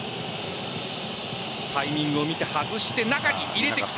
タイミングを見て外して中に入れてきた。